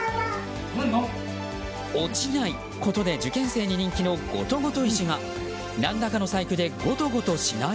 落ちないことで受験生に人気のゴトゴト石が何らかの細工でゴトゴトしない？